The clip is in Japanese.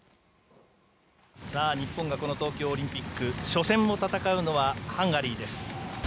日本がこの東京オリンピック初戦を戦うのはハンガリーです。